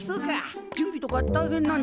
準備とか大変なんじゃろ？